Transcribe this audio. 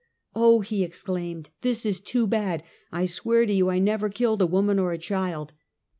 " Oh," he exclaimed, "This is too bad! I swear to you I never killed a woman or a child."